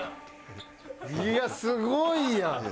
いやすごいやん！